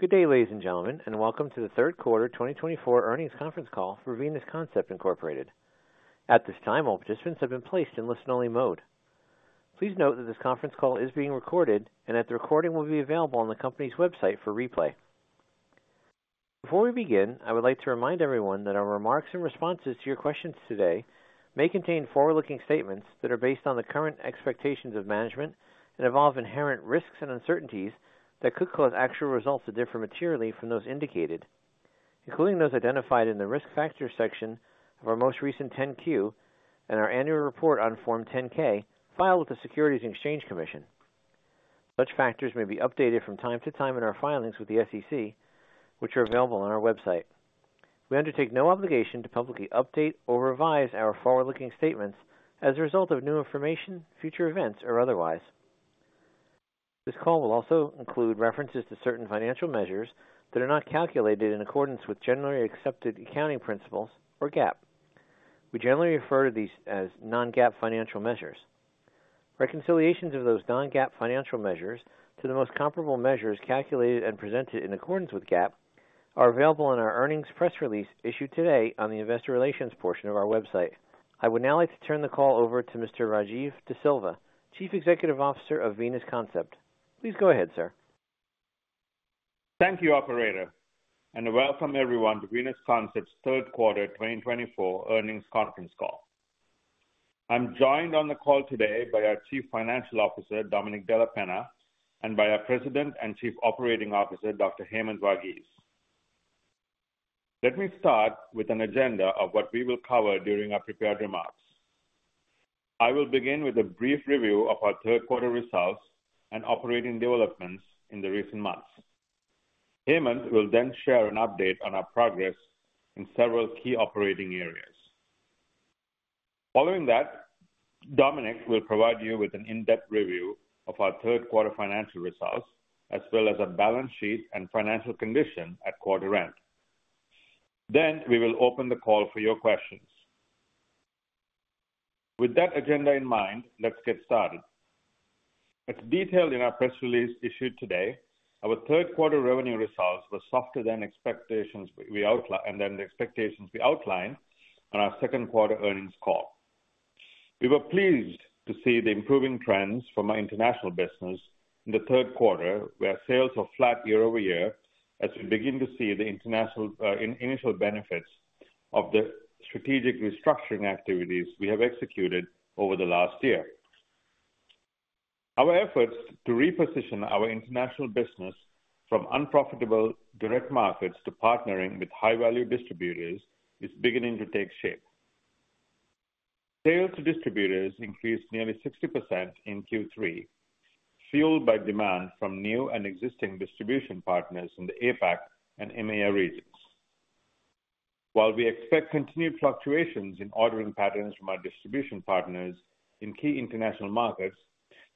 Good day, ladies and gentlemen, and welcome to the third quarter 2024 earnings conference call for Venus Concept Incorporated. At this time, all participants have been placed in listen-only mode. Please note that this conference call is being recorded, and that the recording will be available on the company's website for replay. Before we begin, I would like to remind everyone that our remarks and responses to your questions today may contain forward-looking statements that are based on the current expectations of management and involve inherent risks and uncertainties that could cause actual results to differ materially from those indicated, including those identified in the risk factors section of our most recent 10-Q and our annual report on Form 10-K filed with the Securities and Exchange Commission. Such factors may be updated from time to time in our filings with the SEC, which are available on our website. We undertake no obligation to publicly update or revise our forward-looking statements as a result of new information, future events, or otherwise. This call will also include references to certain financial measures that are not calculated in accordance with generally accepted accounting principles, or GAAP. We generally refer to these as non-GAAP financial measures. Reconciliations of those non-GAAP financial measures to the most comparable measures calculated and presented in accordance with GAAP are available in our earnings press release issued today on the investor relations portion of our website. I would now like to turn the call over to Mr. Rajiv De Silva, Chief Executive Officer of Venus Concept. Please go ahead, sir. Thank you, Operator, and welcome everyone to Venus Concept's third quarter 2024 earnings conference call. I'm joined on the call today by our Chief Financial Officer, Dominic Della Penna, and by our President and Chief Operating Officer, Dr. Hemanth Varghese. Let me start with an agenda of what we will cover during our prepared remarks. I will begin with a brief review of our third quarter results and operating developments in the recent months. Hemanth will then share an update on our progress in several key operating areas. Following that, Dominic will provide you with an in-depth review of our third quarter financial results, as well as our balance sheet and financial condition at quarter end. Then we will open the call for your questions. With that agenda in mind, let's get started. As detailed in our press release issued today, our third quarter revenue results were softer than the expectations we outlined on our second quarter earnings call. We were pleased to see the improving trends from our international business in the third quarter, where sales were flat year-over-year as we began to see the initial benefits of the strategic restructuring activities we have executed over the last year. Our efforts to reposition our international business from unprofitable direct markets to partnering with high-value distributors is beginning to take shape. Sales to distributors increased nearly 60% in Q3, fueled by demand from new and existing distribution partners in the APAC and EMEA regions. While we expect continued fluctuations in ordering patterns from our distribution partners in key international markets,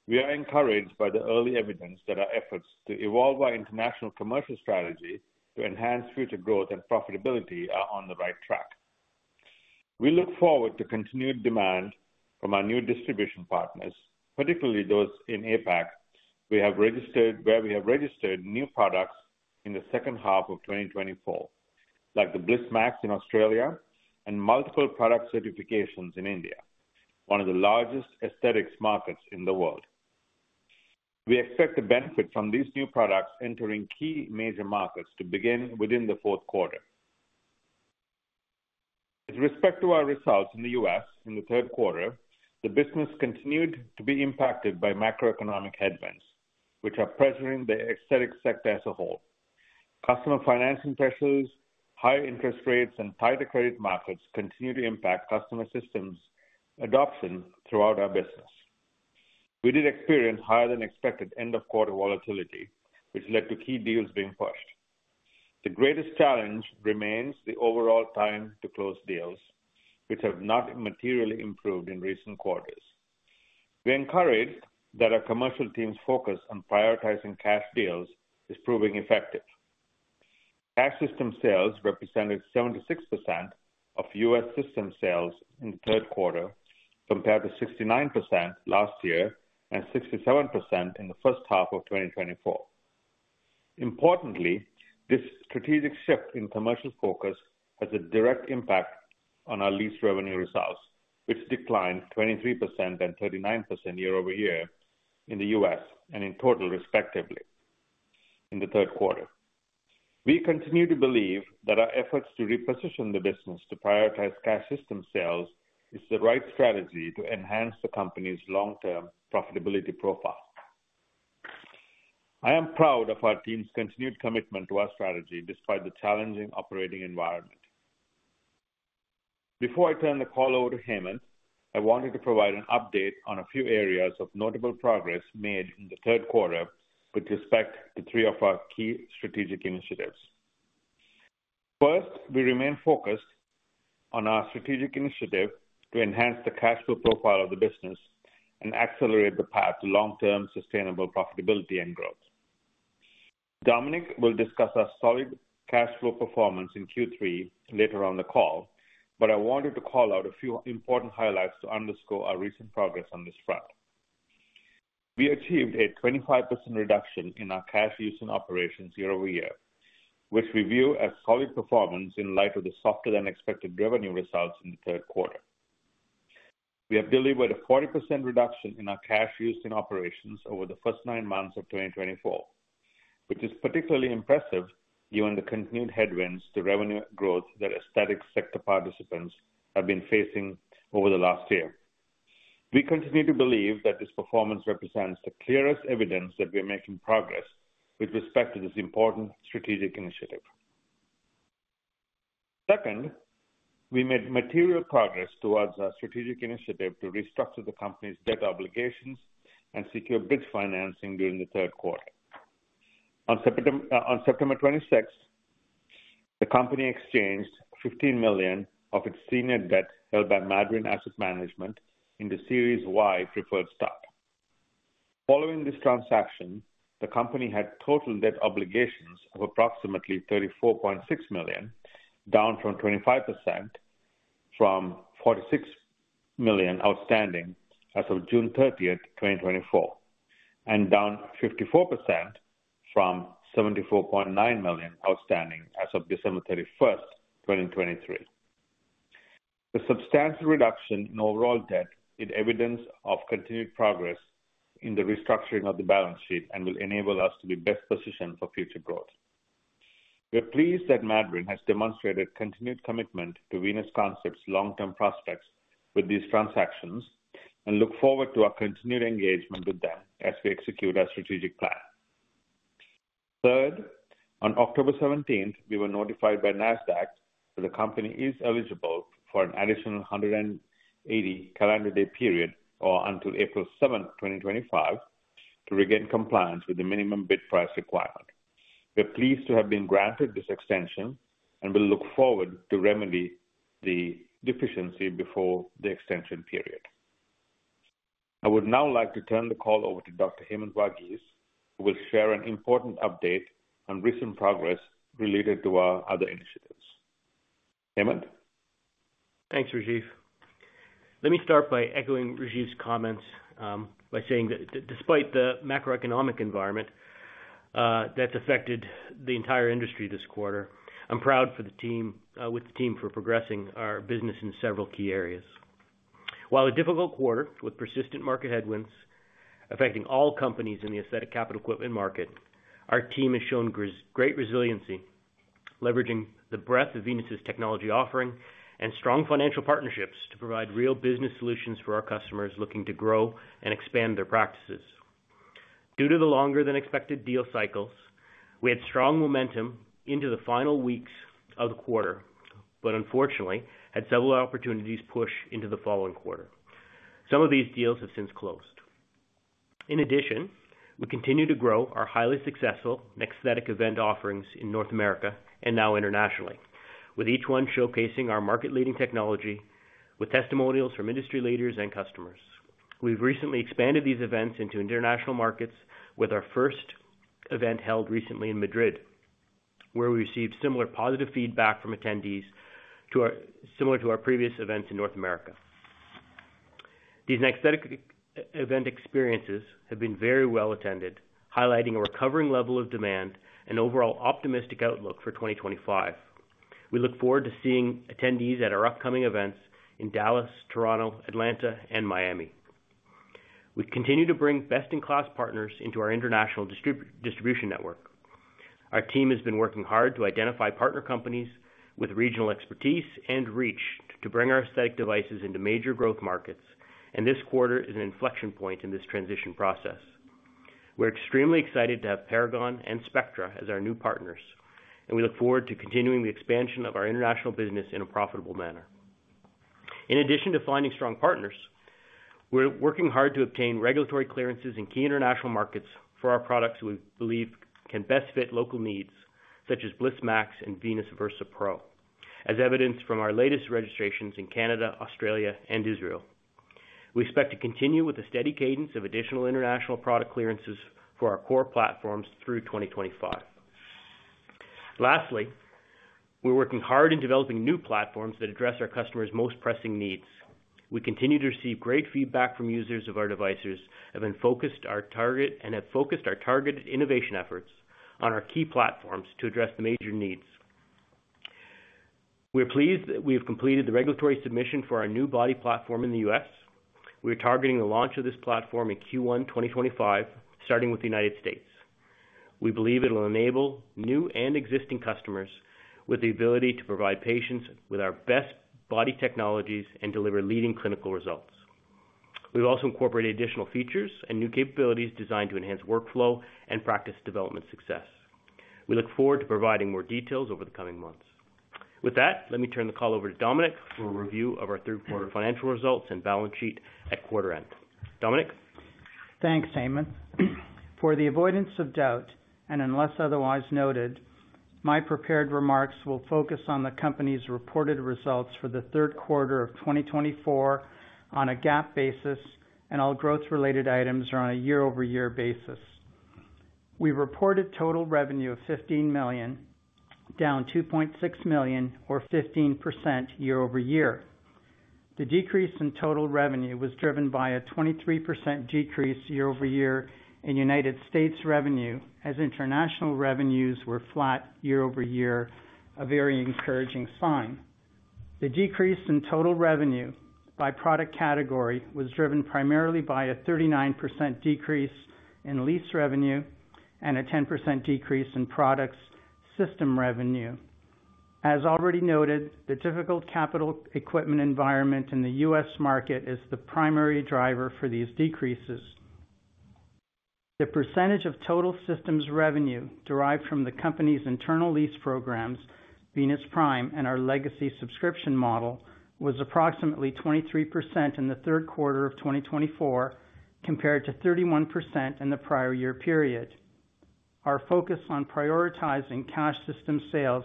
we are encouraged by the early evidence that our efforts to evolve our international commercial strategy to enhance future growth and profitability are on the right track. We look forward to continued demand from our new distribution partners, particularly those in APAC where we have registered new products in the second half of 2024, like the Bliss MAX in Australia and multiple product certifications in India, one of the largest aesthetics markets in the world. We expect the benefit from these new products entering key major markets to begin within the fourth quarter. With respect to our results in the U.S. in the third quarter, the business continued to be impacted by macroeconomic headwinds, which are pressuring the aesthetics sector as a whole. Customer financing pressures, higher interest rates, and tighter credit markets continue to impact customer systems adoption throughout our business. We did experience higher-than-expected end-of-quarter volatility, which led to key deals being pushed. The greatest challenge remains the overall time to close deals, which have not materially improved in recent quarters. We are encouraged that our commercial team's focus on prioritizing cash deals is proving effective. Cash system sales represented 76% of U.S. system sales in the third quarter, compared to 69% last year and 67% in the first half of 2024. Importantly, this strategic shift in commercial focus has a direct impact on our lease revenue results, which declined 23% and 39% year-over-year in the U.S. and in total, respectively, in the third quarter. We continue to believe that our efforts to reposition the business to prioritize cash system sales is the right strategy to enhance the company's long-term profitability profile. I am proud of our team's continued commitment to our strategy despite the challenging operating environment. Before I turn the call over to Hemanth, I wanted to provide an update on a few areas of notable progress made in the third quarter with respect to three of our key strategic initiatives. First, we remain focused on our strategic initiative to enhance the cash flow profile of the business and accelerate the path to long-term sustainable profitability and growth. Dominic will discuss our solid cash flow performance in Q3 later on the call, but I wanted to call out a few important highlights to underscore our recent progress on this front. We achieved a 25% reduction in our cash use in operations year-over-year, which we view as solid performance in light of the softer-than-expected revenue results in the third quarter. We have delivered a 40% reduction in our cash use in operations over the first nine months of 2024, which is particularly impressive given the continued headwinds to revenue growth that aesthetics sector participants have been facing over the last year. We continue to believe that this performance represents the clearest evidence that we are making progress with respect to this important strategic initiative. Second, we made material progress towards our strategic initiative to restructure the company's debt obligations and secure bridge financing during the third quarter. On September 26, the company exchanged 15 million of its senior debt held by Madryn Asset Management into Series Y preferred stock. Following this transaction, the company had total debt obligations of approximately $34.6 million, down 25% from $46 million outstanding as of June 30, 2024, and down 54% from $74.9 million outstanding as of December 31, 2023. The substantial reduction in overall debt is evidence of continued progress in the restructuring of the balance sheet and will enable us to be best positioned for future growth. We are pleased that Madryn has demonstrated continued commitment to Venus Concept's long-term prospects with these transactions and look forward to our continued engagement with them as we execute our strategic plan. Third, on October 17, we were notified by Nasdaq that the company is eligible for an additional 180 calendar day period or until April 7, 2025, to regain compliance with the minimum bid price requirement. We are pleased to have been granted this extension and will look forward to remedy the deficiency before the extension period. I would now like to turn the call over to Dr. Hemanth Varghese, who will share an important update on recent progress related to our other initiatives. Hemanth? Thanks, Rajiv. Let me start by echoing Rajiv's comments by saying that despite the macroeconomic environment that's affected the entire industry this quarter, I'm proud with the team for progressing our business in several key areas. While a difficult quarter with persistent market headwinds affecting all companies in the aesthetic capital equipment market, our team has shown great resiliency, leveraging the breadth of Venus's technology offering and strong financial partnerships to provide real business solutions for our customers looking to grow and expand their practices. Due to the longer-than-expected deal cycles, we had strong momentum into the final weeks of the quarter, but unfortunately, had several opportunities push into the following quarter. Some of these deals have since closed. In addition, we continue to grow our highly successful Next Aesthetic event offerings in North America and now internationally, with each one showcasing our market-leading technology with testimonials from industry leaders and customers. We've recently expanded these events into international markets with our first event held recently in Madrid, where we received similar positive feedback from attendees similar to our previous events in North America. These Next Aesthetic event experiences have been very well attended, highlighting a recovering level of demand and overall optimistic outlook for 2025. We look forward to seeing attendees at our upcoming events in Dallas, Toronto, Atlanta, and Miami. We continue to bring best-in-class partners into our international distribution network. Our team has been working hard to identify partner companies with regional expertise and reach to bring our aesthetic devices into major growth markets, and this quarter is an inflection point in this transition process. We're extremely excited to have Paragon and Spectra as our new partners, and we look forward to continuing the expansion of our international business in a profitable manner. In addition to finding strong partners, we're working hard to obtain regulatory clearances in key international markets for our products we believe can best fit local needs, such as Bliss MAX and Venus Versa Pro, as evidenced from our latest registrations in Canada, Australia, and Israel. We expect to continue with a steady cadence of additional international product clearances for our core platforms through 2025. Lastly, we're working hard on developing new platforms that address our customers' most pressing needs. We continue to receive great feedback from users of our devices. We have been focused on our targets and have focused our targeted innovation efforts on our key platforms to address the major needs. We're pleased that we have completed the regulatory submission for our new body platform in the U.S. We are targeting the launch of this platform in Q1 2025, starting with the United States. We believe it will enable new and existing customers with the ability to provide patients with our best body technologies and deliver leading clinical results. We've also incorporated additional features and new capabilities designed to enhance workflow and practice development success. We look forward to providing more details over the coming months. With that, let me turn the call over to Dominic for a review of our third quarter financial results and balance sheet at quarter end. Dominic? Thanks, Hemanth. For the avoidance of doubt and unless otherwise noted, my prepared remarks will focus on the company's reported results for the third quarter of 2024 on a GAAP basis, and all growth-related items are on a year-over-year basis. We reported total revenue of $15 million, down $2.6 million, or 15% year-over-year. The decrease in total revenue was driven by a 23% decrease year-over-year in United States revenue, as international revenues were flat year-over-year, a very encouraging sign. The decrease in total revenue by product category was driven primarily by a 39% decrease in lease revenue and a 10% decrease in product system revenue. As already noted, the difficult capital equipment environment in the U.S. market is the primary driver for these decreases. The percentage of total systems revenue derived from the company's internal lease programs, Venus Prime and our legacy subscription model, was approximately 23% in the third quarter of 2024, compared to 31% in the prior year period. Our focus on prioritizing cash system sales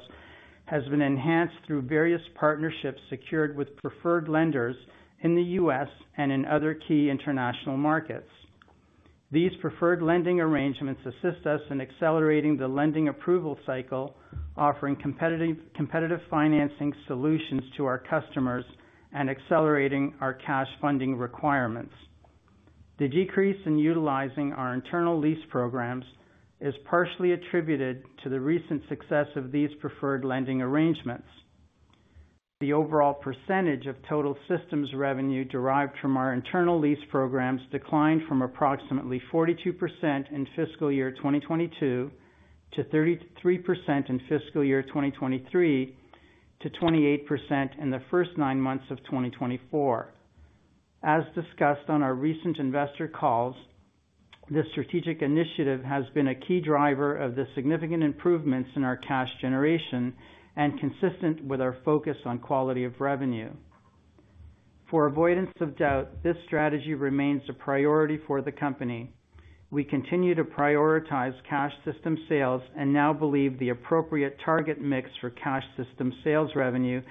has been enhanced through various partnerships secured with preferred lenders in the U.S. and in other key international markets. These preferred lending arrangements assist us in accelerating the lending approval cycle, offering competitive financing solutions to our customers and accelerating our cash funding requirements. The decrease in utilizing our internal lease programs is partially attributed to the recent success of these preferred lending arrangements. The overall percentage of total systems revenue derived from our internal lease programs declined from approximately 42% in fiscal year 2022 to 33% in fiscal year 2023 to 28% in the first nine months of 2024. As discussed on our recent investor calls, this strategic initiative has been a key driver of the significant improvements in our cash generation and consistent with our focus on quality of revenue. For avoidance of doubt, this strategy remains a priority for the company. We continue to prioritize cash system sales and now believe the appropriate target mix for cash system sales revenue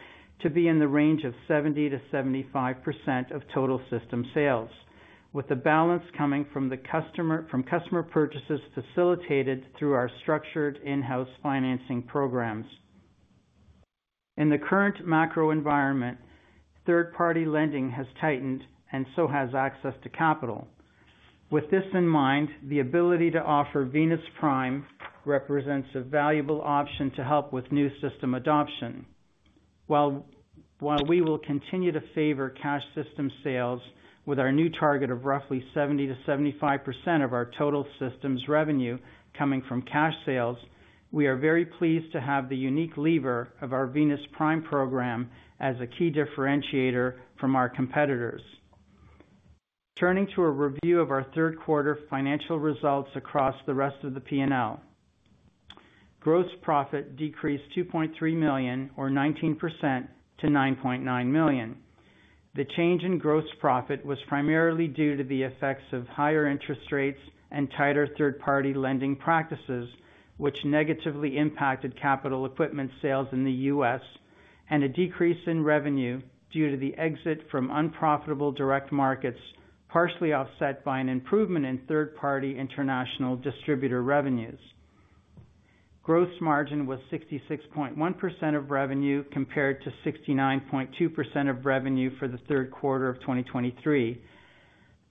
to be in the range of 70%-75% of total system sales, with the balance coming from customer purchases facilitated through our structured in-house financing programs. In the current macro environment, third-party lending has tightened, and so has access to capital. With this in mind, the ability to offer Venus Prime represents a valuable option to help with new system adoption. While we will continue to favor cash system sales with our new target of roughly 70%-75% of our total systems revenue coming from cash sales, we are very pleased to have the unique lever of our Venus Prime program as a key differentiator from our competitors. Turning to a review of our third quarter financial results across the rest of the P&L, gross profit decreased $2.3 million, or 19%, to $9.9 million. The change in gross profit was primarily due to the effects of higher interest rates and tighter third-party lending practices, which negatively impacted capital equipment sales in the U.S., and a decrease in revenue due to the exit from unprofitable direct markets, partially offset by an improvement in third-party international distributor revenues. Gross margin was 66.1% of revenue compared to 69.2% of revenue for the third quarter of 2023.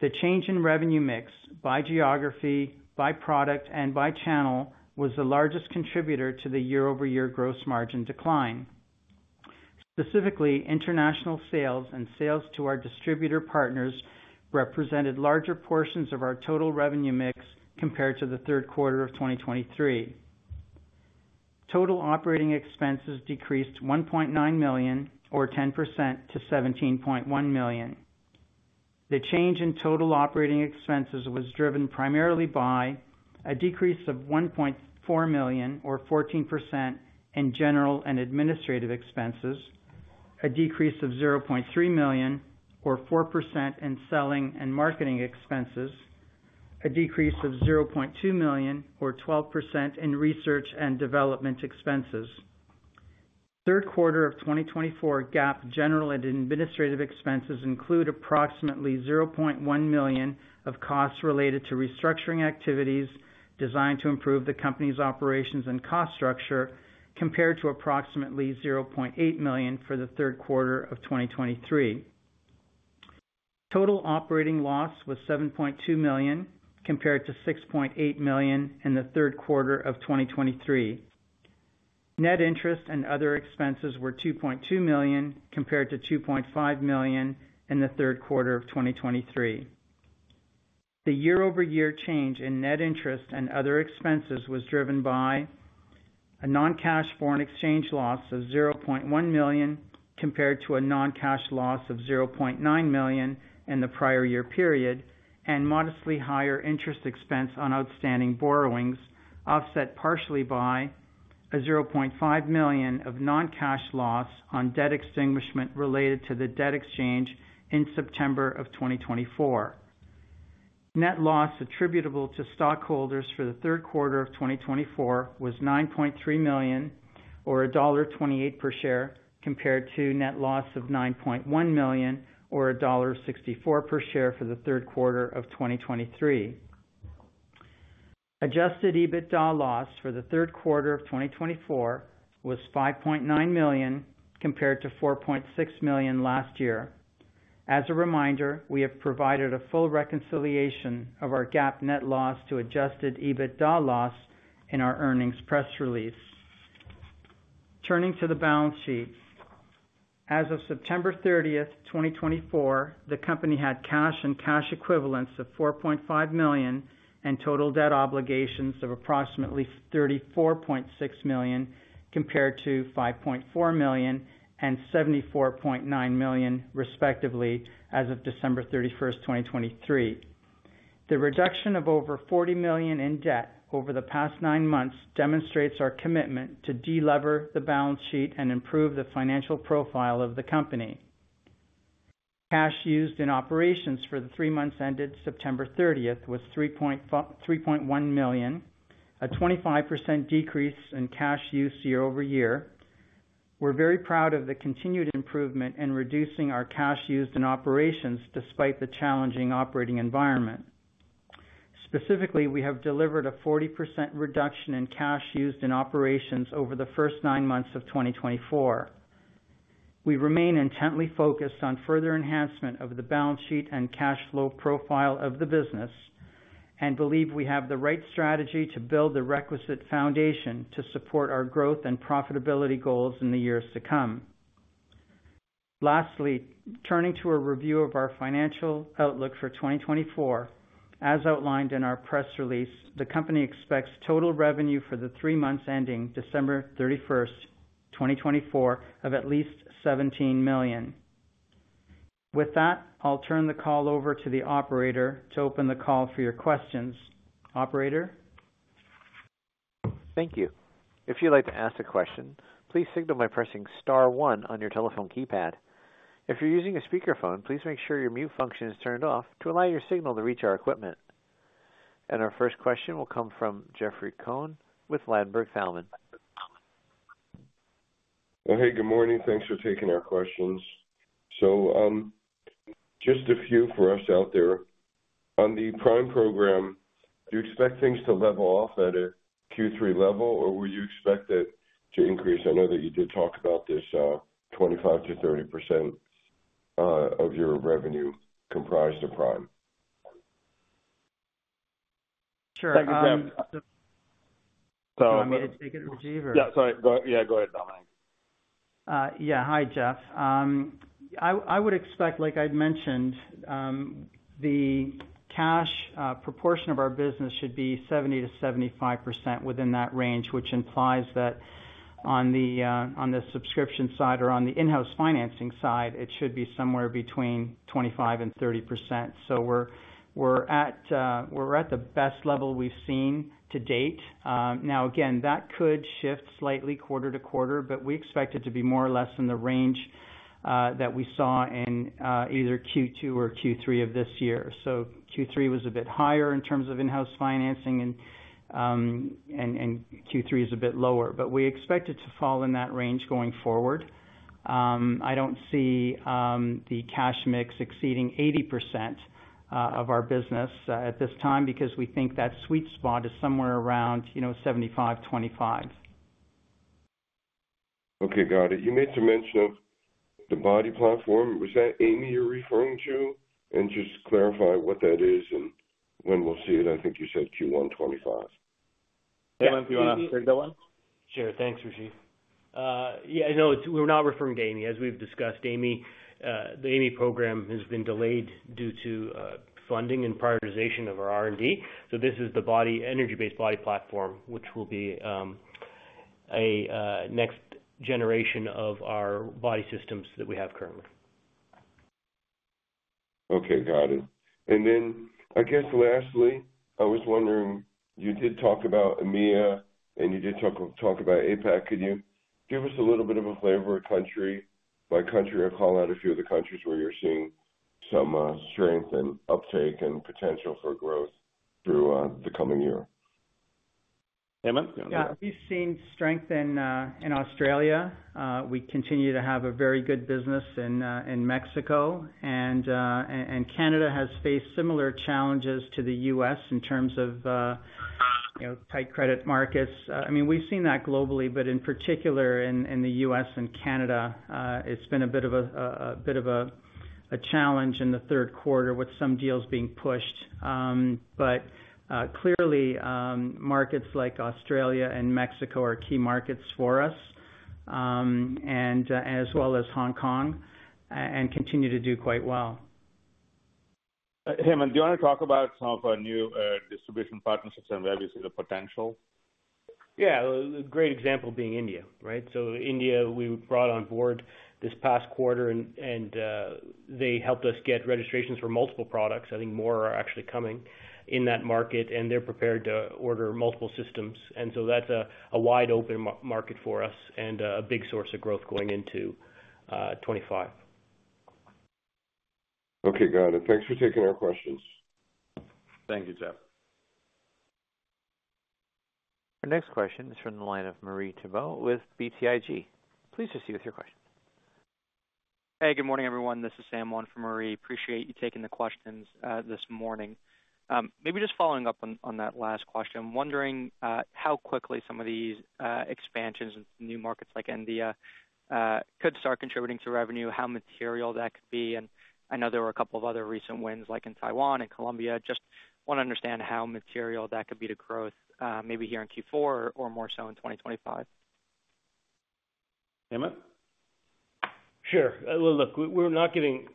The change in revenue mix by geography, by product, and by channel was the largest contributor to the year-over-year gross margin decline. Specifically, international sales and sales to our distributor partners represented larger portions of our total revenue mix compared to the third quarter of 2023. Total operating expenses decreased $1.9 million, or 10%, to $17.1 million. The change in total operating expenses was driven primarily by a decrease of $1.4 million, or 14%, in general and administrative expenses, a decrease of $0.3 million, or 4%, in selling and marketing expenses, a decrease of $0.2 million, or 12%, in research and development expenses. Third quarter of 2024 GAAP general and administrative expenses include approximately $0.1 million of costs related to restructuring activities designed to improve the company's operations and cost structure compared to approximately $0.8 million for the third quarter of 2023. Total operating loss was $7.2 million compared to $6.8 million in the third quarter of 2023. Net interest and other expenses were $2.2 million compared to $2.5 million in the third quarter of 2023. The year-over-year change in net interest and other expenses was driven by a non-cash foreign exchange loss of $0.1 million compared to a non-cash loss of $0.9 million in the prior year period, and modestly higher interest expense on outstanding borrowings offset partially by a $0.5 million of non-cash loss on debt extinguishment related to the debt exchange in September of 2024. Net loss attributable to stockholders for the third quarter of 2024 was $9.3 million, or $1.28 per share, compared to net loss of $9.1 million, or $1.64 per share for the third quarter of 2023. Adjusted EBITDA loss for the third quarter of 2024 was $5.9 million compared to $4.6 million last year. As a reminder, we have provided a full reconciliation of our GAAP net loss to adjusted EBITDA loss in our earnings press release. Turning to the balance sheet, as of September 30, 2024, the company had cash and cash equivalents of $4.5 million and total debt obligations of approximately $34.6 million compared to $5.4 million and $74.9 million, respectively, as of December 31, 2023. The reduction of over $40 million in debt over the past nine months demonstrates our commitment to de-lever the balance sheet and improve the financial profile of the company. Cash used in operations for the three months ended September 30 was $3.1 million, a 25% decrease in cash use year-over-year. We're very proud of the continued improvement in reducing our cash used in operations despite the challenging operating environment. Specifically, we have delivered a 40% reduction in cash used in operations over the first nine months of 2024. We remain intently focused on further enhancement of the balance sheet and cash flow profile of the business and believe we have the right strategy to build the requisite foundation to support our growth and profitability goals in the years to come. Lastly, turning to a review of our financial outlook for 2024, as outlined in our press release, the company expects total revenue for the three months ending December 31, 2024, of at least $17 million. With that, I'll turn the call over to the operator to open the call for your questions. Operator? Thank you. If you'd like to ask a question, please signal by pressing star one on your telephone keypad. If you're using a speakerphone, please make sure your mute function is turned off to allow your signal to reach our equipment. And our first question will come from Jeffrey Cohen with Ladenburg Thalmann. Hey, good morning. Thanks for taking our questions. Just a few for us out there. On the Prime program, do you expect things to level off at a Q3 level, or will you expect it to increase? I know that you did talk about this 25%-30% of your revenue comprised of Prime. Sure. Thank you, Jeff. I'm going to take it from Rajiv. Yeah, sorry. Yeah, go ahead, Dominic. Yeah, hi, Jeff. I would expect, like I'd mentioned, the cash proportion of our business should be 70%-75% within that range, which implies that on the subscription side or on the in-house financing side, it should be somewhere between 25% and 30%. So we're at the best level we've seen to date. Now, again, that could shift slightly quarter to quarter, but we expect it to be more or less in the range that we saw in either Q2 or Q3 of this year. So Q3 was a bit higher in terms of in-house financing, and Q3 is a bit lower, but we expect it to fall in that range going forward. I don't see the cash mix exceeding 80% of our business at this time because we think that sweet spot is somewhere around 75%-25%. Okay, got it. You made some mention of the body platform. Was that AI.ME you're referring to? And just clarify what that is and when we'll see it. I think you said Q1 2025. Yeah, do you want to take that one? Sure. Thanks, Rajiv. Yeah, no, we're not referring to AI.ME. As we've discussed, the AI.ME program has been delayed due to funding and prioritization of our R&D. So this is the energy-based body platform, which will be a next generation of our body systems that we have currently. Okay, got it. And then, I guess lastly, I was wondering, you did talk about EMEA and you did talk about APAC. Could you give us a little bit of a flavor of country by country or call out a few of the countries where you're seeing some strength and uptake and potential for growth through the coming year? Yeah, we've seen strength in Australia. We continue to have a very good business in Mexico. And Canada has faced similar challenges to the U.S. in terms of tight credit markets. I mean, we've seen that globally, but in particular in the U.S. and Canada, it's been a bit of a challenge in the third quarter with some deals being pushed. But clearly, markets like Australia and Mexico are key markets for us, as well as Hong Kong, and continue to do quite well. Hemanth, do you want to talk about some of our new distribution partnerships and where we see the potential? Yeah, a great example being India, right? So India, we brought on board this past quarter, and they helped us get registrations for multiple products. I think more are actually coming in that market, and they're prepared to order multiple systems. And so that's a wide open market for us and a big source of growth going into 2025. Okay, got it. Thanks for taking our questions. Thank you, Jeff. Our next question is from the line of Marie Thibault with BTIG. Please proceed with your question. Hey, good morning, everyone. This is Sam Wong from BTIG. Appreciate you taking the questions this morning. Maybe just following up on that last question, I'm wondering how quickly some of these expansions into new markets like India could start contributing to revenue, how material that could be? And I know there were a couple of other recent wins like in Taiwan and Colombia. Just want to understand how material that could be to growth maybe here in Q4 or more so in 2025? Hemanth? Sure, well, look, we're not giving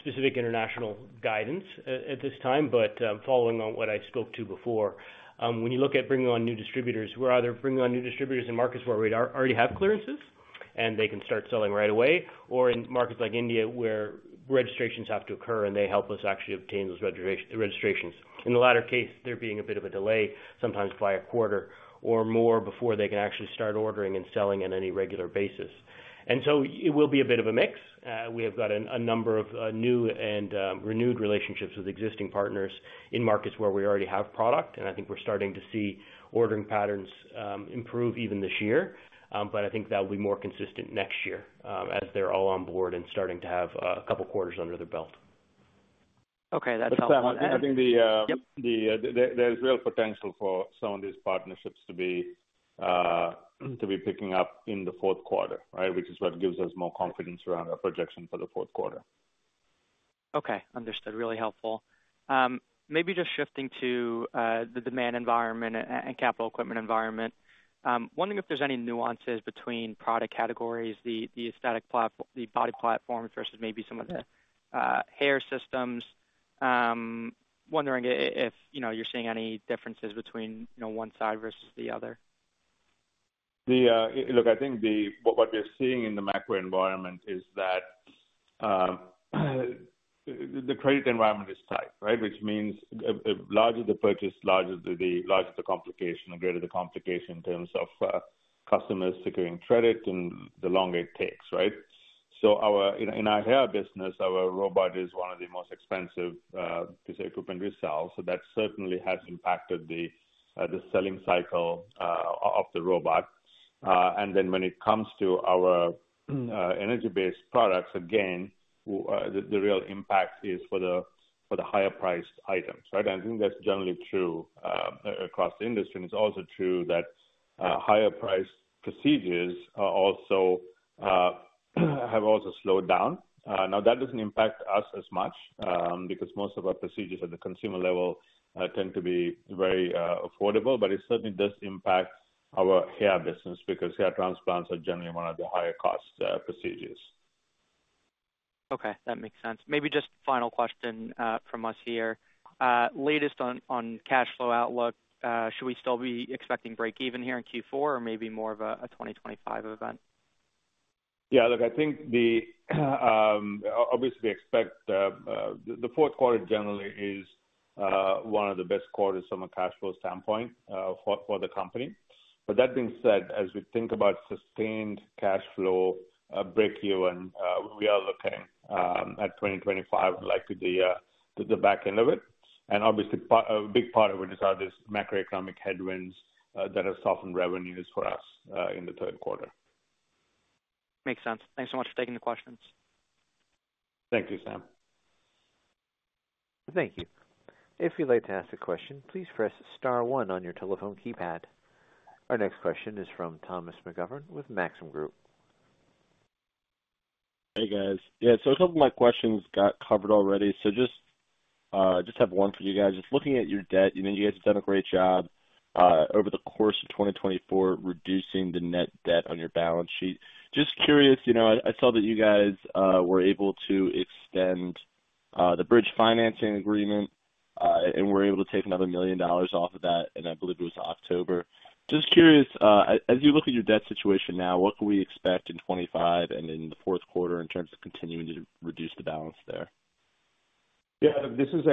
specific international guidance at this time, but following on what I spoke to before, when you look at bringing on new distributors, we're either bringing on new distributors in markets where we already have clearances and they can start selling right away, or in markets like India where registrations have to occur and they help us actually obtain those registrations. In the latter case, there being a bit of a delay, sometimes by a quarter or more before they can actually start ordering and selling on any regular basis, and so it will be a bit of a mix. We have got a number of new and renewed relationships with existing partners in markets where we already have product, and I think we're starting to see ordering patterns improve even this year. But I think that will be more consistent next year as they're all on board and starting to have a couple of quarters under their belt. Okay, that's helpful. I think there is real potential for some of these partnerships to be picking up in the fourth quarter, right, which is what gives us more confidence around our projection for the fourth quarter. Okay, understood. Really helpful. Maybe just shifting to the demand environment and capital equipment environment, wondering if there's any nuances between product categories, the body platforms versus maybe some of the hair systems. Wondering if you're seeing any differences between one side versus the other? Look, I think what we're seeing in the macro environment is that the credit environment is tight, right, which means the larger the purchase, the larger the complication, the greater the complication in terms of customers securing credit and the longer it takes, right? So in our hair business, our robot is one of the most expensive pieces of equipment we sell, so that certainly has impacted the selling cycle of the robot. And then when it comes to our energy-based products, again, the real impact is for the higher-priced items, right? And I think that's generally true across the industry. And it's also true that higher-priced procedures have also slowed down. Now, that doesn't impact us as much because most of our procedures at the consumer level tend to be very affordable, but it certainly does impact our hair business because hair transplants are generally one of the higher-cost procedures. Okay, that makes sense. Maybe just final question from us here. Latest on cash flow outlook, should we still be expecting break-even here in Q4 or maybe more of a 2025 event? Yeah, look, I think obviously we expect the fourth quarter generally is one of the best quarters from a cash flow standpoint for the company. But that being said, as we think about sustained cash flow break-even, we are looking at 2025 and likely the back end of it. And obviously, a big part of it is how these macroeconomic headwinds that have softened revenues for us in the third quarter. Makes sense. Thanks so much for taking the questions. Thank you, Sam. Thank you. If you'd like to ask a question, please press star one on your telephone keypad. Our next question is from Thomas McGovern with Maxim Group. Hey, guys. Yeah, so a couple of my questions got covered already. So just have one for you guys. Just looking at your debt, you guys have done a great job over the course of 2024 reducing the net debt on your balance sheet. Just curious, I saw that you guys were able to extend the bridge financing agreement and were able to take another $1 million off of that, and I believe it was October. Just curious, as you look at your debt situation now, what can we expect in 2025 and in the fourth quarter in terms of continuing to reduce the balance there? Yeah, look, this is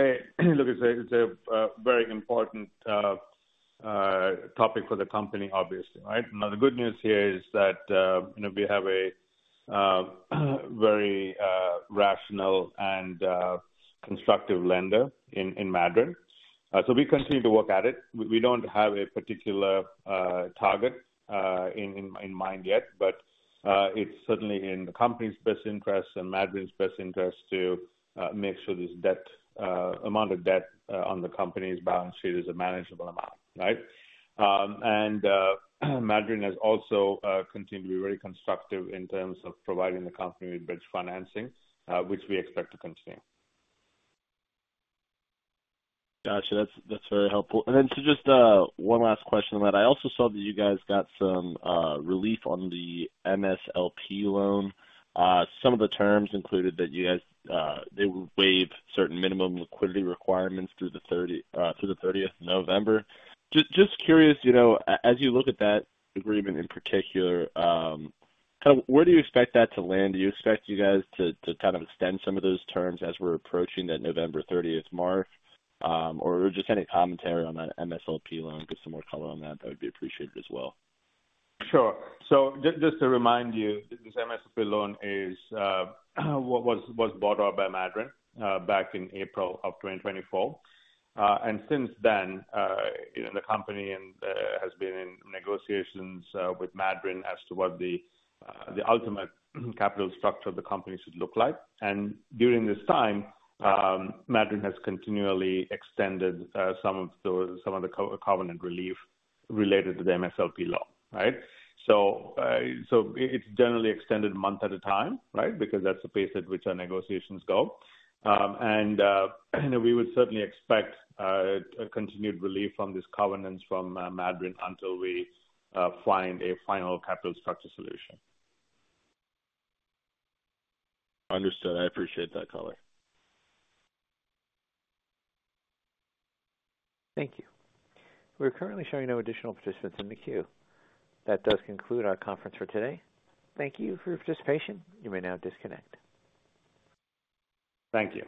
a very important topic for the company, obviously, right? Now, the good news here is that we have a very rational and constructive lender, Madryn. So we continue to work at it. We don't have a particular target in mind yet, but it's certainly in the company's best interest and Madryn's best interest to make sure this amount of debt on the company's balance sheet is a manageable amount, right, and Madryn has also continued to be very constructive in terms of providing the company with bridge financing, which we expect to continue. Gotcha. That's very helpful. And then just one last question on that. I also saw that you guys got some relief on the MSLP loan. Some of the terms included that they would waive certain minimum liquidity requirements through the 30th of November. Just curious, as you look at that agreement in particular, kind of where do you expect that to land? Do you expect you guys to kind of extend some of those terms as we're approaching that November 30th mark, or just any commentary on that MSLP loan? Give some more color on that. That would be appreciated as well. Sure. So just to remind you, this MSLP loan was bought out by Madryn back in April of 2024. And since then, the company has been in negotiations with Madryn as to what the ultimate capital structure of the company should look like. And during this time, Madryn has continually extended some of the covenant relief related to the MSLP loan, right? So it's generally extended month at a time, right, because that's the pace at which our negotiations go. And we would certainly expect continued relief from this covenant from Madryn until we find a final capital structure solution. Understood. I appreciate that, Colin. Thank you. We're currently showing no additional participants in the queue. That does conclude our conference for today. Thank you for your participation. You may now disconnect. Thank you.